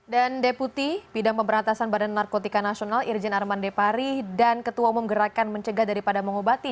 dan deputi badan pemberantasan narkotika nasional irjen arman depari dan ketua umum gerakan mencegah daripada mengobati